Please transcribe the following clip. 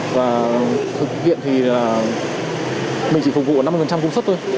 và thực hiện thì là mình chỉ phục vụ năm mươi công suất thôi